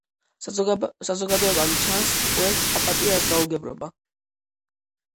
საზოგადოებამ, ჩანს, პოეტს აპატია ეს გაუგებრობა.